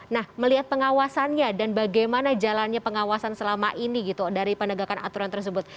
nah melihat pengawasannya dan bagaimana jalannya pengawasan selama ini gitu dari penegakan aturan tersebut